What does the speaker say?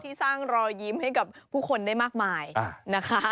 สร้างรอยยิ้มให้กับผู้คนได้มากมายนะคะ